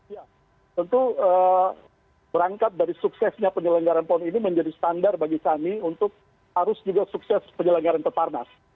ya tentu berangkat dari suksesnya penyelenggaran pon ini menjadi standar bagi kami untuk harus juga sukses penyelenggaran peparnas